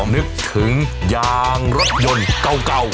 นึกถึงยางรถยนต์เก่า